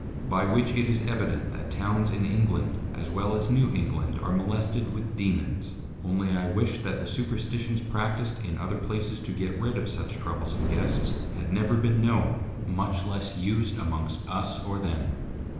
By which it is evident that Towns in England as well as New England are molested with Dæmons, only I wish that the Superstitions practiced in other places to get rid of such troublesome Guests had never been known, much less used amongst us or them.